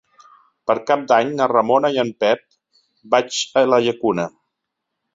Per Cap d'Any na Ramona i en Pep vaig a la Llacuna.